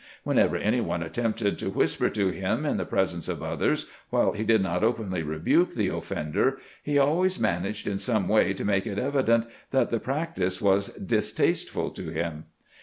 Whenever any one attempted to whisper to him in the presence of others, while he did not openly rebuke the offender, he always managed in some way to make it evident that the practice was distasteful to him.